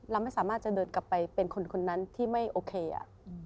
เราไม่สามารถจะเดินกลับไปเป็นคนนั้นที่ไม่โอเคอ่ะ